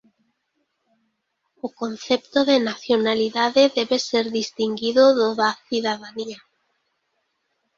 O concepto de nacionalidade debe ser distinguido do da cidadanía.